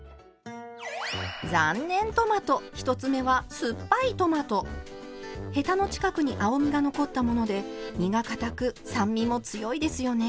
残念トマト１つ目はヘタの近くに青みが残ったもので身がかたく酸味も強いですよね。